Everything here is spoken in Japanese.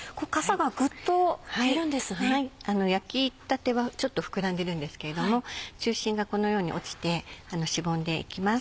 はい焼きたてはちょっと膨らんでるんですけれども中心がこのように落ちてしぼんでいきます。